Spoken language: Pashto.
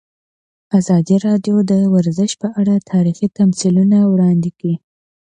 ازادي راډیو د ورزش په اړه تاریخي تمثیلونه وړاندې کړي.